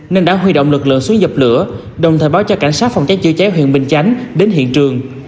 nên đã huy động lực lượng xuống dập lửa đồng thời báo cho cảnh sát phòng cháy chữa cháy huyện bình chánh đến hiện trường